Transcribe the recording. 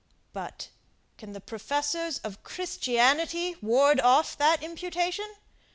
But, can the professors of Christianity ward off that imputation?